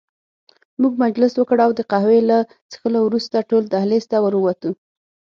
موږ مجلس وکړ او د قهوې له څښلو وروسته ټول دهلېز ته ور ووتو.